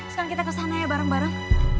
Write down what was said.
sekarang kita kesana ya bareng bareng